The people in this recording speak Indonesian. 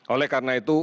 oleh karena itu